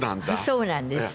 そうなんです。